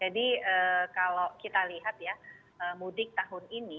jadi kalau kita lihat ya mudik tahun ini